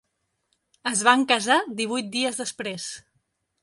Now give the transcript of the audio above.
Es van casar divuit dies després.